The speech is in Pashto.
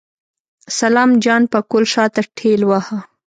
سلام جان پکول شاته ټېلوهه.